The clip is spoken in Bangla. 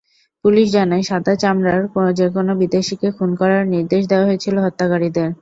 পুলিশ জানায়, সাদা চামড়ার যেকোনো বিদেশিকে খুন করার নির্দেশ দেওয়া হয়েছিল হত্যাকারীদের।